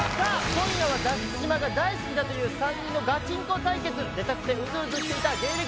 今夜は脱出島が大好きだという３人のガチンコ対決出たくてうずうずしていた芸歴